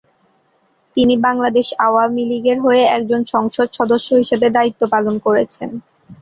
তিনি বাংলাদেশ আওয়ামীলীগের হয়ে একজন সংসদ সদস্য হিসেবে দায়িত্ব পালন করেছেন।